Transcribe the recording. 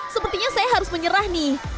sepertinya saya harus menyerah nih